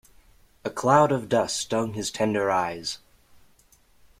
A cloud of dust stung his tender eyes.